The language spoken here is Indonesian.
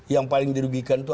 yang paling dirugikan itu